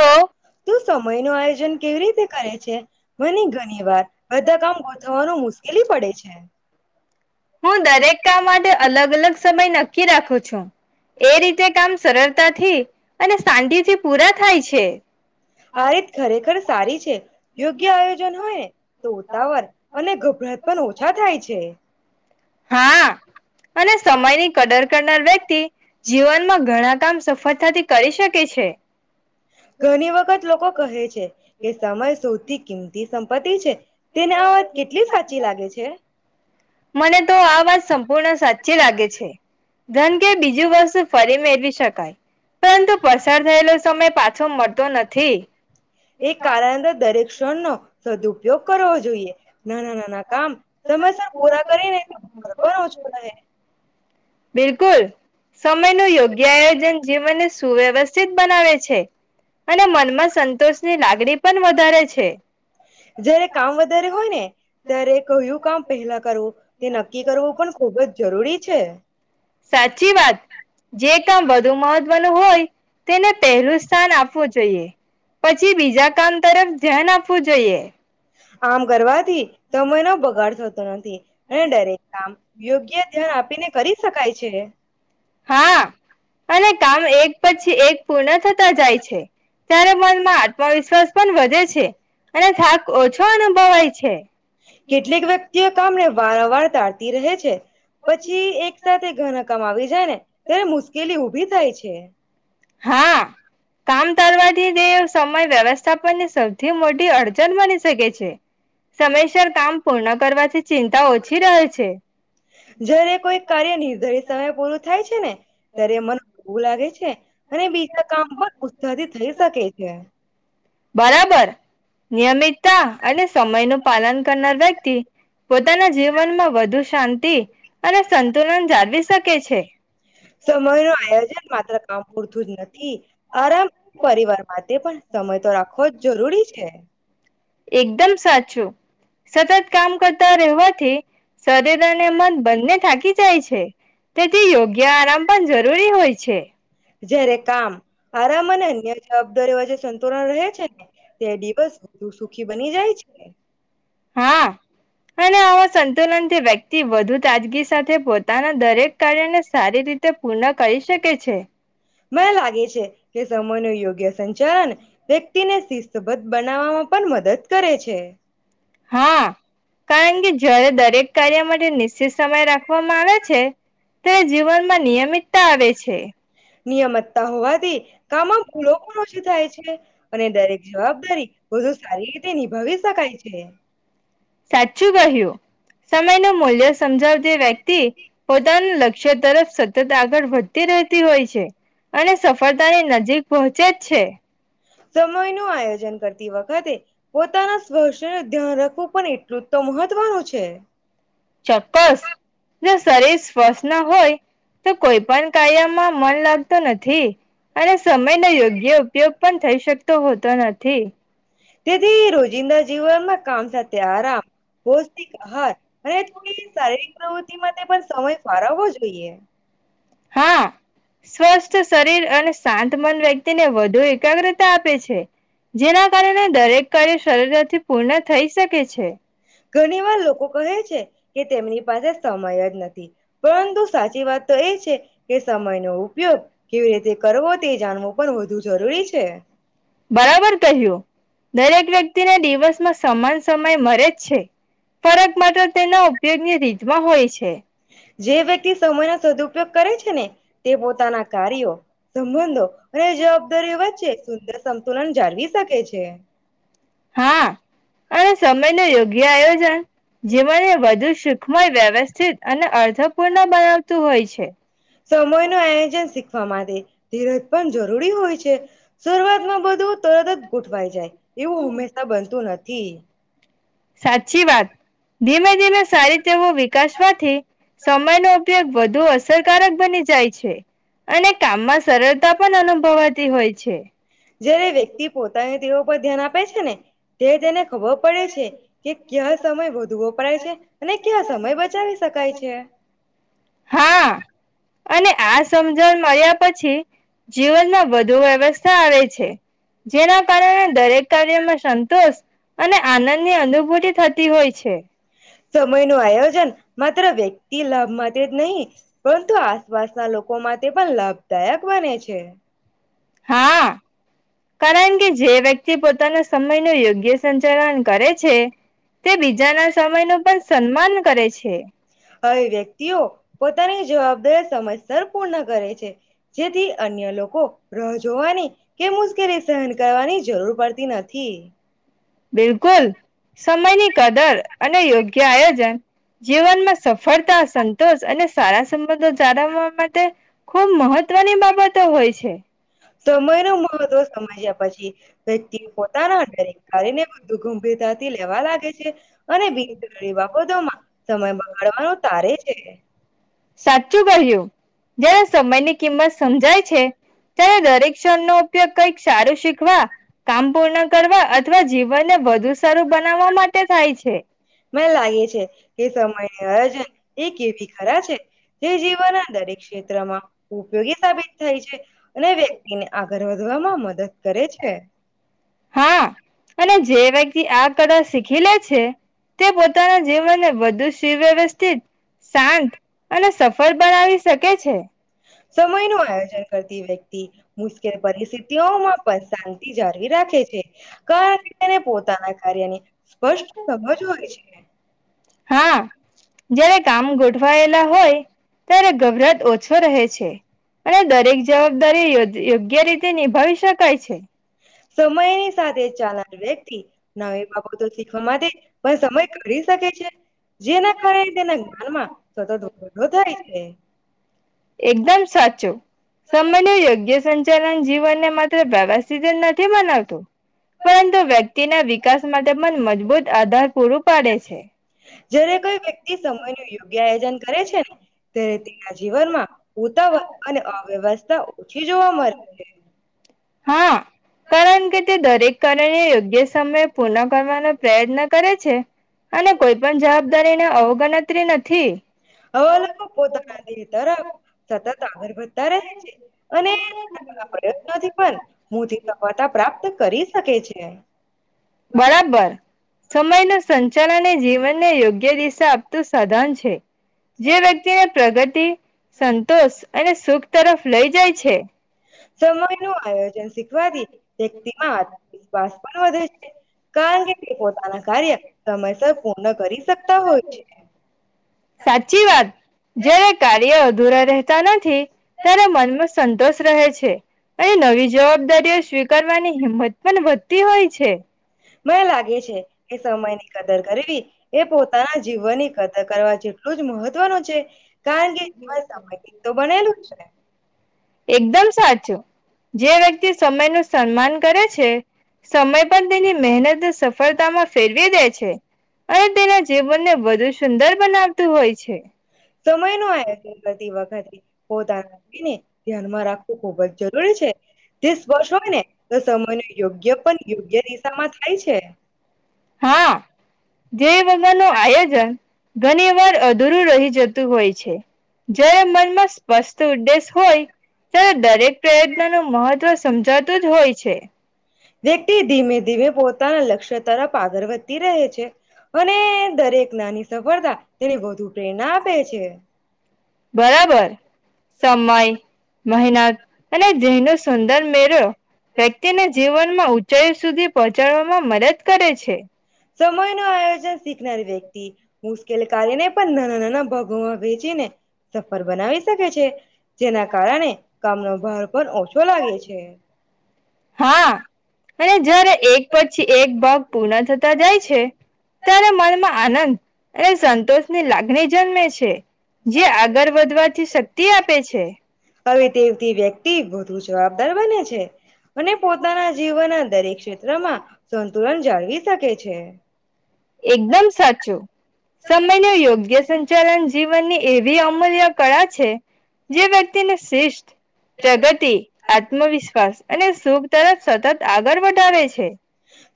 તો તો સમય આયોજન કેવી રીતે કરે છે મને ઘણી વાર બધા કામ ગોઠવવાનું મુશ્કેલી પડે છે. હું દરેક કામ માટે અલગ અલગ સમય નક્કી રાખો છો. એ રીતે કામ સરળતાથી અને શાંતિથી પૂરા થાય છે. આ રીત ખરેખર સારી છે યોગ્ય આયોજન હોય તો ઉતાવર અને ગભરાટ પણ ઓછા થાય છે. હા અને સમયની કદર કરનાર વ્યક્તિ જીવનમાં ઘણા કામ સફદ ઘણી વખત લોકો કહે છે કે સમય સૌથી કિંમતી સંપત્તિ છે તેને આ વાત કેટલી સાચી લાગે છે. મને તો આ વાત સંપૂર્ણ સાચી લાગે છે ધન કે બીજું વસ્તુ ફરી મેળવી શકાય. પરંતુ પસાર થયેલો સમય પાછો મળતો નથી. એ કારણ દર દરેક ક્ષણ નો સદુપયોગ કરવો જોઈએ નાના નાના કામ સમસ બિલકુલ સમય નું યોગ્ય આયોજન જીવન સુવ્યવસ્થિત બનાવે છે અને મનમાં સંતોષની લાગણી પણ વધારે છે. જયારે કામ વધારે હોય ને ત્યારે કયું કામ પહેલા નક્કી કરવું પણ ખુબ જ જરૂરી છે. સાચી મ હોય તેને પહેલું સ્થાન આપવું જોઈએ પછી બીજા કામ તરફ ધ્યાન આપવું જોઈએ. આમ કરવાથી સમયનો બગાડ થતો નથી. [unintelligible] દરેક કામ યોગ્ય ધ્યાન આપીને કરી શકાય છે. હા અને કામ એક પછી એક પૂર્ણ થતા જાય છે, ત્યારે મનમાં આત્મવિશ્વાસ પણ વધે છે. અને થાક ઓછો અનુભવાય છે. કેટલીક વ્યક્તિઓ કામને વારંવાર ટાળતી રહે છે જ્યારે તેને મુશ્કેલી ઉભી થાય છે. હા કામ કરવાલથી તે સમય વ્યવસ્થાપનની સૌથી મોટી અડચણ બની શકે છે. સમયસર કામ પૂર્ણ કરવાથી ચિંતાઓ ચિ રહે છે. જયારે કોઈ કાર્ય નિર્ધારિત સમય પૂરું થાય છે ને ત્યારે મને ઉવું લાગે છે. અને બીજા કામ પણ ઉત્સાહથી થઈ શકે છે. બરાબર. નિયમિતતા અને સમય નું પાલન કરનાર વ્યક્તિ પોતાના જીવનમાં વધુ શાંતિ અને સંતુલન જાળવી શકે છે સમય નું આયોજન માત્ર કામ પૂરતું જ નથી આરામ પરિવાર માટે પણ સમય તો રાખવો જ જરૂરી છે. એકદમ સાચું. સતત કામ કરતા રહેવાથી શરીર અને મન બંને થાકી જાય છે, તેથી યોગ્ય આરામ પણ જરૂરી હોય છે. છે. જયારે કામ, આરામ અને અન્ય જવાબદારી એજે સંતુલન રહે છે ને, તે દિવસુ તુ સુખી બની જાય છે. હા અને આવા સંતુલનથી વ્યક્તિ વધુ તાજગી સાથે પોતાના દરેક કાર્યને સારી રીતે પૂર્ણ કરી શકે છે. મને લાગે છે કે સમૂહ નું યોગ્ય સંચાલન વ્યક્તિને શિસ્તબદ્ધ બનાવવામાં પણ મદદ કરે છે. હા, કારણકે જ્યારે દરેક કાર્ય માટ નિશ્ચિત સમય રાખ નિયમિતતા આવે છે નિયમતા હોવાથી કામમાં ભૂલો પણ ઓછી થાય છે અને દરેક જવાબદારી વધુ સારી રીતે નિભાવી શકાય છે. સાચું કહ્યું સમયનું મૂલ્ય સમજાવતી વ્યક્તિ પોતાનું [unintelligible] તરફ સતત આગળ વધતી રહેતી હોય છે અને સફળતાની નજીક પહોંચેજ છે. સમય નું આયોજન કરતી વખતે પોતાના સ્વાસ્થયનું ધ્યાન રાખવું પણ એટલું તો મહત્વનું છે. ચોક્કસ, જો શરીર સ્વસ્થ ન હોય, તો કોઈ પણ કાર્યમાં મન લાગતો નથી અને સમયનો યોગ્ય ઉપયોગ પણ થઈ શકતો હોતો નથી. તેથી રોજિંદા જીવનમાં કામ સાથે આરામ, પૌષ્ટિક આહાર અને શારીરિક પ્રવૃતિ માટે પણ સમય ફાળવવો જોઈએ. હા, સ્વસ્થ શરીર અને શાંતમન વ્યક્તિને વધુ એકાગ્રતા આપે છે. જેના કારણે દરેક કાર્ય સરળતાથી પૂર્ણ થઈ શકે છે. ઘણી વાર લોકો કહે છે કે તેમની પાસે સમય જ નથી. પરંતુ સાચી વાત તો એ છે કે સમયનો ઉપયોગ કેવી રીતે કરવો, તે જાણવું પણ વધુ જરૂરી છે. બરાબર કહ્યું દરેક વ્યક્તિને દિવસમાં સમાન સમય મળે જ છે, ફરક માત્ર તેના ઉપયોગની રીતમાં હોય છે. જે વ્યક્તિ સમય ના સદુઉપયોગ કરે છે ને તે પોતાના કાર્યો, સંબંધો અને જવાબદારીઓ વચ્ચે સુંદર સંતુલન જાળવી શકે છે. હા, અને સમય નું યોગ્ય આયોજન જીવનને વધુ સુખમય, વ્યવસ્થિત અને અર્થપૂર્ણ બનાવતું હોય છે. સમય નું આયોજન શીખવા માટે ધીરજ પણ જરૂરી હોય છે. શરૂઆતમાં બધું તરત જ ગોઠવાય જાય એવું હંમેશા બનતું નથી. સાચી વાત. ધીમે ધીમે સારી તેવો વિકાસવાથી સમય નો ઉપયોગ વધુ અસરકારક બની જાય. છે અને કામમાં સરળતા પણ અનુભવાતી હોય છે. જયારે વ્યક્તિ પોતાની તેવો પર ધ્યાન આપે છે ને ત્યારે તેને ખબર પડે છે કે ક્યા સમય વધુ વપરાય છે અને ક્યા સમય બચાવી શકાય છે. હા અને આ સમજણ મળ્યા પછી જીવનમાં વધુ વ્યવસ્થા આવે છે. જેના કારણે દરેક કાર્યમાં સંતોષ અને આનંદની અનુભૂત થતી હોય છે. સમય ન આયોજન માત્ર વ્યક્તિ લાભ માટે જ નહીં. પરંતુ, આસપાસના લોકો માટે પણ લાભદાયક બને છે. હા કારણ કે, જે વ્યક્તિ પોતાના સમય ન યોગ્ય સંચાલન કરે છે. તે બીજાના સમયનું પણ સન્માન કરે છે હવે વ્યક્તિઓ પોતાની જવાબદારી સમયસર પૂર્ણ કરે છે. જેથી અન્ય લોકો રાહ જોવાની કે મુશ્કેલી સહન કરવાની જરૂર પડતી નથી. બિલકુલ સમયની કદર અને યોગ્ય આયોજન જીવનમાં સ ફળતા, સંતોષ અને સારા સંબંધો જાળવવા માટે ખૂબ મહત્વની બાબતો હોય છે. સમય નું મહત્વ સમજયા પછી, વ્યક્તિ પોતાના અંદરે નારીને બધું ગંભીરતાથી લેવા લાગે છે અને બીજી કોઈ બાબતો સમય બગાડવાનું તારે છે. જયારે સમયની કિંમત સમજાય છે, ત્યારે દરેક ક્ષણ નો ઉપયોગ કંઈક સારું શીખવા, કામ પૂર્ણ કરવા અથ વા જીવન છે મને લાગે છે. કે સમયની અયોજન એક એવી ખરા છે, જે જીવનના દરેક ક્ષેત્રમાં ઉપયોગી સાબિત થાય છે અને વ્યક્તિને આગળ વધવામાં મદદ કરે છે. હા, અને જે વ્યક્તિ આ કળા શીખી લે છે. તે પોતાના જીવનને વધુ શીવ્યવસ્થિત, શાંત અને સફળ બનાવી શકે છે. સમયનું આયોજન કરતી વ્ય કિત મુશ્કેલ પરિસ્થિતિઓમાં પણ શાંતિ જાળવી રાખે છે, કરણકે, તેને પોતાના કાર્યની સ્પષ્ટ ખબર હોય છે. હા, જારે કામ ગોઠવાયેલા હોય, ત્યારે ગભરાટ ઓછો રહે છે અને દરેક જવાબદારી યોજ યોગ્ય રીતે નિભાવી શકાય છે. સમયની સાથે ચાલાન વ્યક્તિ નવી બાબતો શીખવા માટે પણ સમય કરી શકે છે. જેના કારણે તેના જ્ઞાનમાં સતત વધો થાય છે. એકદમ સાચું, સમયનો યોગ્ય સંચ ચાલન જીવનને માત્ર બાબાસ્થિત નથી બનાવતું, પરંતુ વ્યક્તિના વિકાસ માટે પણ મજબૂત આધાર પૂરું પાડે છે. જ્યારે કોઈ વ્યક્તિ સમયનો યોગ્ય આયોજન કરે છે ને, ત્યારે તેના જીવન ઘરમાં ઉતાવળ અને અવ્યવસ્થા ઓછી જોવા મળે છે. હા, કારણકે તે દરેક કારણે યોગ્ય સમય પુનમ કરવાનો પ્રયત્ન કરે છે. અને કોઈ પણ જવાબદારીને અવગણતરી નથી. હવે લાવો પોતાના દિલ ધરાવ સતત આગળ વધતા રહે છે. અને આપણા પ્રયત્નોથી પણ મોટી સફળતા પ્રાપ્ત કરી શકે છે. બરાબર, સમયનો સંચાલન એ જીવનને યોગ્ય દિશા આપતું સાધન છે. જે વ્યક્તિને પ્રગતિ સંતોષ અને સુખ તરફ લઈ જાય છે. સમયનું આયોજન શીખવાથી વ્યક્તિમાં આત્મવિશ્વાસ પણ વધે છે કારણ કે તે પોતાના કાર્ય સમયસર પૂર્ણ કરી શકતા હોય છે. સાચી વાત જ્યારે કાર્ય અધુરા રહેતા નથી ત્યારે મનનું સંતોષ રહે છે. અ નવી જવાબદારી. તેઓ સ્વીકારવાની હિંમત. પણ વધતી હોય છે મને લાગે છે, એ સમય ની કદર કરવી, એ પોતાના જીવનની કદર. કરવા જેટલું, જ મહત્વનું છે. કે કારણ જ જીવન મનેું સમયથી તો બનેલું છે. એકદમ સાચું. જે વ્યક્તિ સમય નું સન્માન કરે છે, સમય પણ તેની. મહેનત સફળતામાં ફેરવી દે છે, અને તેના જીવનને વધુ સુંદર બનાવતું હોય છે. સમય નો આ બતી, વખતે. હો, તારા ને ધ્યાનમાં રાખ. ખુબજ, જરૂરી છે. તે સ્પર્શ હોય, ને તો સમય ન યોગ્ય, પણ યોગ્ય. રિસામાં થાય છે. હા જે વગરનું આયોજન ઘણી વાર અ દૂરુ રહી જતું હોય છે. જયારે મનમાં સ્પષ્ટ ઉદ્દેશ હોય ત્યારે દરેક પ્રયત્ન નું મહત્વ સમજાતુ જ હોય છે. વ્યક્તિ ધીમે-ધીમે પોતાના લક્ષ્ય તરફ આગળ વધતી રહે છે. અને દરેક નાની સફળતા તેને વધુ પ્રેરણા આપે છે. બરાબર. સમય, મહેનત અને ધ્યેયનો સુંદર મેરો વ્યક્તિને જીવનમાં ઊંચાઈ સુધી પહોંચાડવા માં મદદ કરે છે. સમયનું આયોજન શીખનારી વ્યક્ત તી મુશ્કેલ કાર્ય ને પણ નાના-નાના ભવ ગોવા [unintelligible] સફળ બનાવી શકે છે, જેના કારણે કામનો ભાર પણ ઓછો લાગે છે. હા અને જ્યારે એક પછી એક ભાગ પૂર્ણ થતા જાય છે ત્યારે મનમાં આનંદ અને સંતોષની લાગણી જન્મે છે. જે આગર હવે તેવતી વ્યક્તિ વધુ જવાબદાર બને છે, અને પોતાના જીવનના દરેક ક્ષેત્રમાં સંતુલન જાળવી શકે છે. એકદમ સાચું, સમયનો યોગ્ય સં સંચાલન જીવનની એવી અમૂલ્ય કળા છે જે વ્યક્તિને શિસ્ત, પ્રગતિ આત્મવિશ્વાસ અને સુખ તરફ સતત આગળ વધારે છે.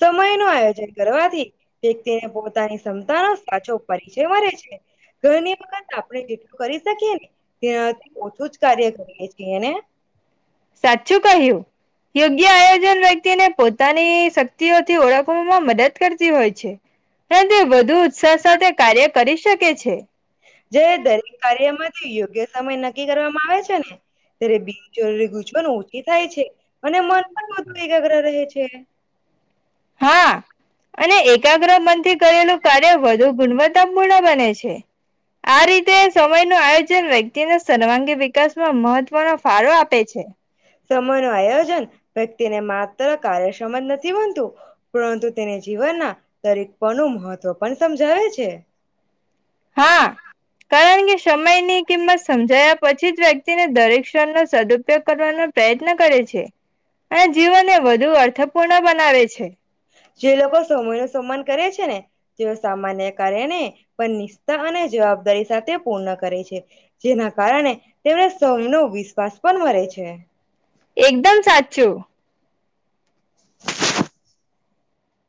સમય નું આયોજન કરવાથી વ્યક્તિને પોતાની ક્ષમતાનો સાચો પરિચય મળે છે, ઘણી વખત આપણે જેટલું કરી શકીએ તેનાથી ઓછું જ કાર્ય કરીએ છીએ ને સાચું કહ્યું. યોગ્ય આયોજન વ્યક્તિને પોતાની શક્તિઓથી ઓળખવામાં મદદ કરતી હોય છે. તેનાથી વધુ ઉત્સાહ સાથે કાર્ય કરી શકે છે. જયારે દરેક કાર્યમાંથી યોગ્ય સમય નક્કી કરવામાં આવે છે ને ત્યારે બીનજરૂરી ગુ [unintelligible] એકાગ્ર રહે છે. હા અને એકાગ્ર મનથી કરેલું કાર્ય વધુ ગુણવત્તાપૂર્ણ બને છે. આ રીતે સમય નું આયોજન [unintelligible] તેનો સર્વાંગી વિકાસ. [inaudible] મહત્વનો ફાળો આપે છે. સમય નું આયોજન વ્યક્તિને માત્ર કાર્યક્ષમ જ નથી બનતું, પરંતુ તેને જીવનના તરીકનું મહત્વ પણ સમજાવે છે. હા કારણ કે સમયની કિંમત સમજાયા પછી જ વ્યક્તિને દરેક ક્ષણનો સદુપયોગ કરવાનો પ્રયત્ન કરે છે. અને જીવન એ વધુ અર થપૂર્ણ બનાવે છે. જે લોકો સમય નો સમ્માન કરે છે ને તેઓ સામાન્ય કારણે પણ નિ ષ્ઠા અને જવાબદારી સાથે પૂર્ણ કરે છે, જેના કારણે તેમને સૌનો વિશ્વાસ પણ મળે છે. એકદમ સાચું